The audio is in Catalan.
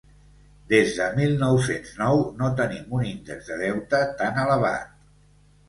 Des de mil nou-cents nou no teníem un índex de deute tant elevat.